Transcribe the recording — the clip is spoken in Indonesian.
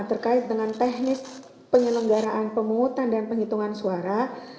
terkait dengan teknis pengelenggaraan pengumutan dan penghitungan suara